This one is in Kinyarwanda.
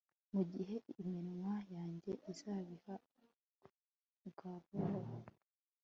mugihe iminwa yanjye izabiba galore